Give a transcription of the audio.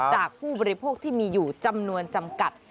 ผู้บริโภคที่มีอยู่จำนวนจำกัด